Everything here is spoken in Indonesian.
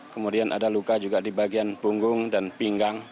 kemudian ada luka juga di bagian punggung dan pinggang